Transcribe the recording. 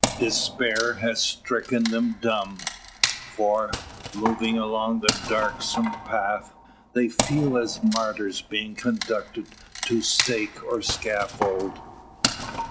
Despair has stricken them dumb; for, moving along that darksome path, they feel as martyrs being conducted to stake or scaffold.